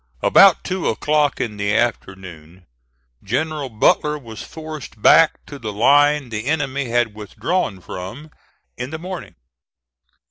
About two o'clock in the afternoon General Butler was forced back to the line the enemy had withdrawn from in the morning.